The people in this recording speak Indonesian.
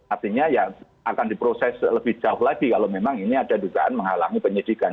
artinya ya akan diproses lebih jauh lagi kalau memang ini ada dugaan menghalangi penyidikan